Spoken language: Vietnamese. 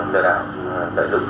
lừa đảo lợi dụng